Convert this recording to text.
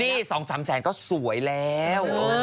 นี่๒๓แสนก็สวยแล้ว